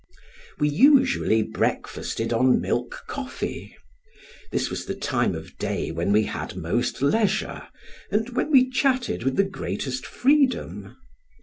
We usually breakfasted on milk coffee; this was the time of day when we had most leisure, and when we chatted with the greatest freedom.